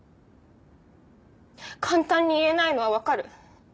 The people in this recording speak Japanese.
簡単に言えないのはわかる。